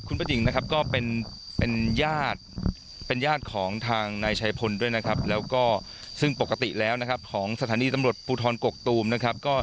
คุณป้ามีความสนิทกับลุงพลด้วยใช่ไหมครับ